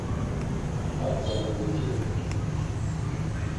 Ar tzana meǩilu dort̆u.